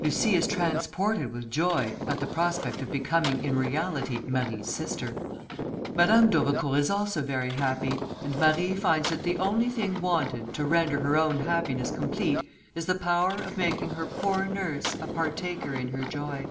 Lucie is transported with joy at the prospect of becoming in reality Marie's sister: Madame d'Aubecourt is also very happy, and Marie finds that the only thing wanted to render her own happiness complete, is the power of making her poor nurse a partaker in her joy.